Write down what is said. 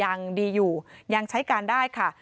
สำคัญที่สุดของกล่องดำสภาพยังดีอยู่ยังใช้การได้ค่ะ